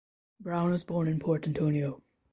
Brown was born in Port Antonio.